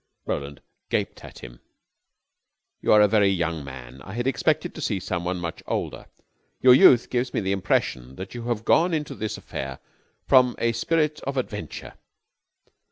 Roland gaped at him. "You are a very young man. I had expected to see some one much older. Your youth gives me the impression that you have gone into this affair from a spirit of adventure.